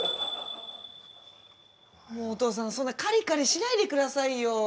もうお父さんそんなカリカリしないでくださいよ